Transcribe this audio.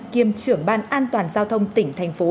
kiêm trưởng ban an toàn giao thông tỉnh thành phố